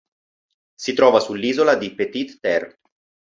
Si trova sull'isola di Petite Terre.